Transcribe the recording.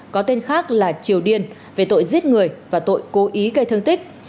có tên khác là triều điên về tội giết người và tội cố ý gây thương tích